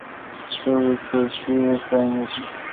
ټولي کړکۍ پرانیزئ